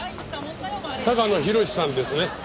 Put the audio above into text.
高野宏さんですね？